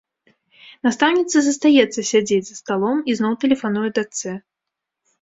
Настаўніца застаецца сядзець за сталом і зноў тэлефануе дачцэ.